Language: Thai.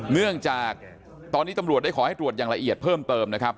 เนื่องจากตอนนี้ตำรวจได้ขอให้ตรวจอย่างละเอียดเพิ่มเติมนะครับ